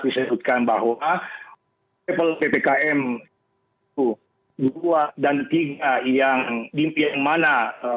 disaatkan bahwa level ppkm dua dan tiga yang diimpian mana